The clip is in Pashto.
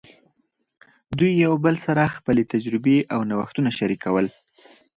دوی یو بل سره خپلې تجربې او نوښتونه شریکول.